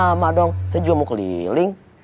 sama dong saya juga mau keliling